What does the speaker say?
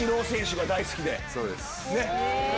そうです。